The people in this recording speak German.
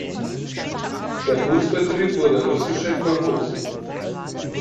Der Gutsbetrieb wurde russische Kolchose.